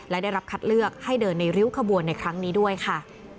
และได้รับคัดเลือกให้เดินในริ้วขบวนในครั้งนี้ด้วยค่ะ